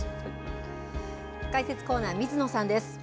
解説コーナー、水野さんです。